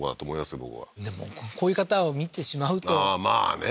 僕はでもこういう方を見てしまうとまあね